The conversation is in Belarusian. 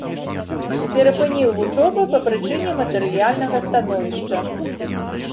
Перапыніў вучобу па прычыне матэрыяльнага становішча.